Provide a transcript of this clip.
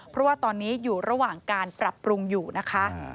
เพราะว่าตอนนี้อยู่ระหว่างการปรับปรุงอยู่นะคะ